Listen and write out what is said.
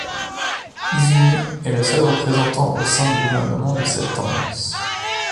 Izumi est le seul représentant au sein du gouvernement de cette tendance.